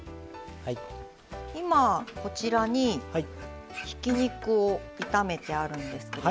こちらにひき肉を炒めてあるんですけど。